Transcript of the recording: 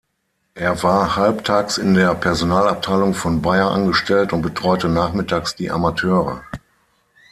Er war halbtags in der Personalabteilung von Bayer angestellt und betreute nachmittags die Amateure.